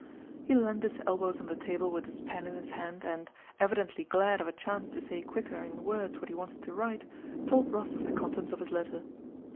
He leaned his elbows on the table with his pen in his hand and, evidently glad of a chance to say quicker in words what he wanted to write, told Rostóv the contents of his letter.